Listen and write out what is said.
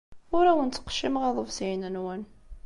Ur awen-ttqeccimeɣ iḍebsiyen-nwen.